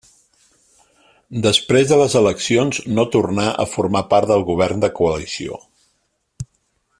Després de les eleccions no tornà a formar part del govern de coalició.